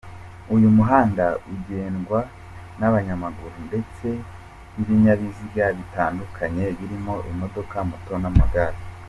Uyu muhanda ugendwa n’abanyamaguru ndetse n’ibinyabiziga bitandukanye birimo imodoka, moto n’amagare.